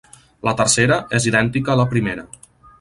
La tercera és idèntica a la primera.